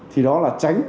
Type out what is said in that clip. thì đó là tránh